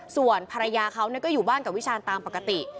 ส่วนภรรยาเขาก็อยู่บ้านกับวิชาณตามปกติ